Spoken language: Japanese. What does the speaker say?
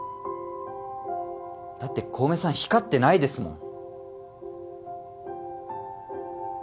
だって小梅さん光ってないですもん。